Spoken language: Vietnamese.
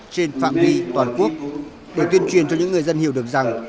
trên phạm vi toàn quốc để tuyên truyền cho những người dân hiểu được rằng